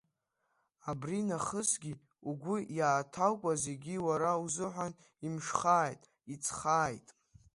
Абри нахысгьы угәы иааҭоукуа зегьы, уара узыҳәан имшхааит, иҵххааит.